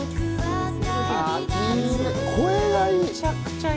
声がいい。